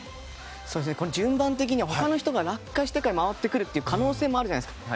順番的にはほかの人が落下してから回ってくる可能性もあるわけじゃないですか。